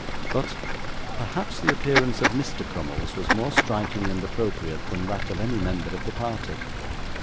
But, perhaps the appearance of Mr. Crummles was more striking and appropriate than that of any member of the party.